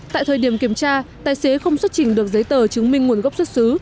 tại thời điểm kiểm tra tài xế không xuất trình được giấy tờ chứng minh nguồn gốc xuất xứ